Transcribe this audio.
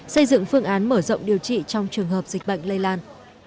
xây dựng phương án mở rộng điều trị trong trường hợp dịch bệnh lây lan